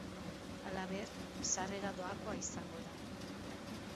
Halaber, sarrera doakoa izan da.